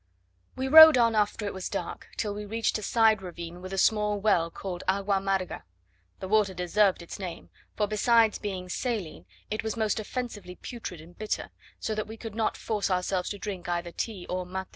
We rode on after it was dark, till we reached a side ravine with a small well, called "Agua amarga." The water deserved its name, for besides being saline it was most offensively putrid and bitter; so that we could not force ourselves to drink either tea or mate.